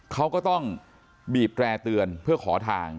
เขาก็ต้องบีบแร่เตือนเพื่อขอทาง